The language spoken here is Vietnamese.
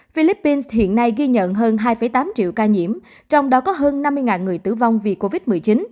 philippines hiện nay ghi nhận hơn hai tám triệu ca nhiễm trong đó có hơn năm mươi người tử vong vì covid một mươi chín